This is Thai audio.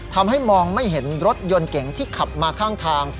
ทำให้มองไม่เห็นรถยนต์เก่งที่ขับมาข้างทาง